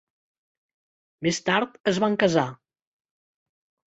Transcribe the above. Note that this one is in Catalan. Més tard es van casar.